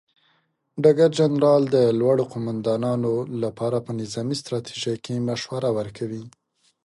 ډګر جنرال د لوړو قوماندانانو لپاره په نظامي ستراتیژۍ کې مشوره ورکوي.